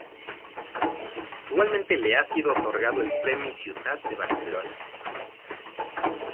Igualmente le ha sido otorgado el "Premi Ciutat de Barcelona".